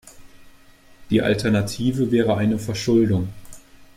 Die Alternative wäre eine Verschuldung.